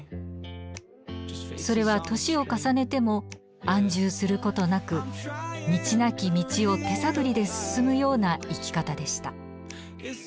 それは年を重ねても安住することなく道なき道を手探りで進むような生き方でした。